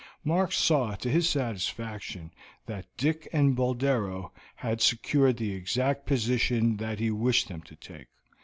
Mark saw to his satisfaction that Dick and Boldero had secured the exact position that he wished them to take.